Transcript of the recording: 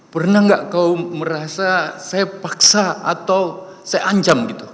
pernah nggak kau merasa saya paksa atau saya ancam gitu